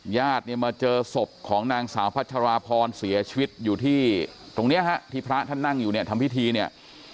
ญาติเนี่ยมาเจอศพของนางสาวพัชราพรเสียชีวิตอยู่ที่ตรงเนี้ยฮะที่พระท่านนั่งอยู่เนี่ยทำพิธีเนี่ย